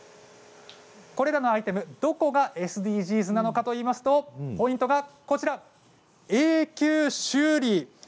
これらのアイテム、どこがＳＤＧｓなのかといいますとポイントは永久修理。